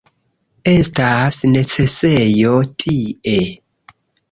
Estas necesejo tie